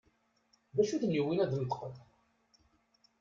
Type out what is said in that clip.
D acu i ten-yewwin ad d-neṭqen?